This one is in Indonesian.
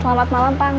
selamat malam pak